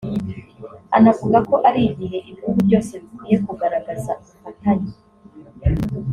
anavuga ko ari igihe ibihugu byose bikwiye kugaragaza ubufatanye